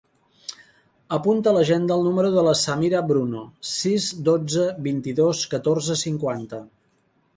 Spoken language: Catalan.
Apunta a l'agenda el número de la Samira Bruno: sis, dotze, vint-i-dos, catorze, cinquanta.